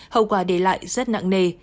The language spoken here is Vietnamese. hậu quả để lại rất nặng nề